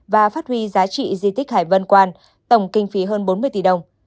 và phát huy giá trị di tích hải vân quan tổng kinh phí hơn bốn mươi tỷ đồng